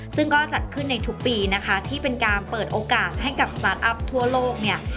ซึ่งก็จัดขึ้นในทุกปีนะคะที่เป็นการเปิดโอกาสให้กับสตาร์ทอัพทั่วโลกเนี่ย